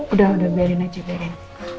udah udah biarin aja biarin